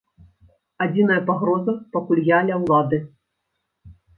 Адзіная пагроза, пакуль я ля ўлады.